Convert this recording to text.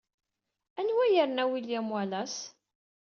Anwa ay yerna William Wallace?